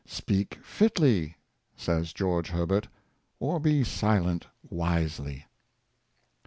" Speak fitly," says George Herbert, "or be silent wisely."